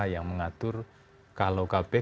yang mengatur kalau kpk